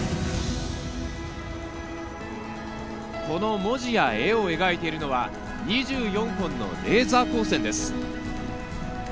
この文字や絵を描いているのは２４本のレーザー光線です。